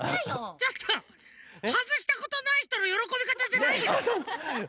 ちょっとはずしたことないひとのよろこびかたじゃないよ。